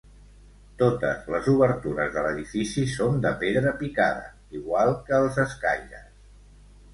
Totes les obertures de l'edifici són de pedra picada, igual que els escaires.